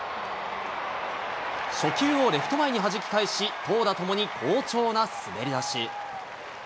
初球をレフト前にはじき返し、投打ともに好調な滑り出し。